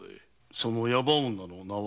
その矢場女の名は？